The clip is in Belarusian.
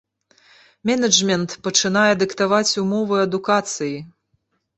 Менеджмент пачынае дыктаваць умовы адукацыі.